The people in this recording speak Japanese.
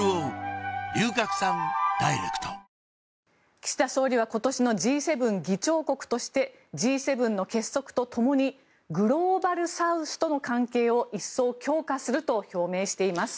岸田総理は今年のＧ７議長国としてＧ７の結束とともにグローバルサウスとの関係を一層強化すると表明しています。